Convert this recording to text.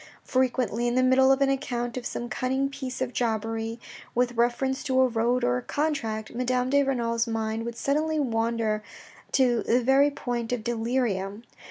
Frequently, in the middle of an account of some cunning piece of jobbery, with reference to a road or a contract, Madame de Renal's mind would suddenly wander to the very point of delirium.